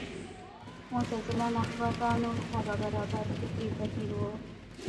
معتزله نخبه ګانو طبع برابر فکري بهیر و